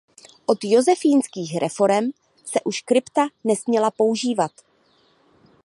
Od josefínských reforem se už krypta nesměla používat.